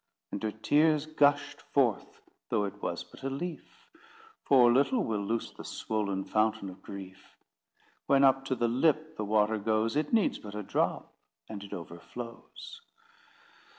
And her tears gushed forth, though it was but a leaf, For little will loose the swollen fountain of grief: When up to the lip the water goes, It needs but a drop, and it overflows.